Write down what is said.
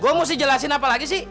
gue mesti jelasin apa lagi sih